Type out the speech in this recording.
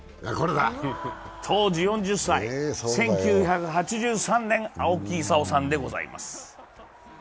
当時４０歳、１９８３年、青木功さんでございます。